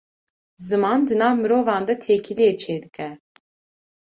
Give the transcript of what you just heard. Ziman, di nav mirovan de têkiliyê çê dike